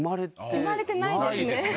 生まれてないですね。